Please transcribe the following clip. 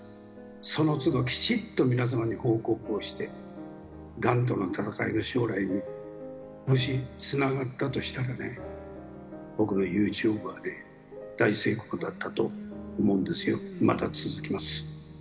そのつどきちっと皆様にご報告をして、がんとの闘いの将来にもしつながったとしたらね、僕のユーチューブは大成功だったと思うんですよ。